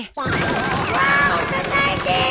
わ押さないで！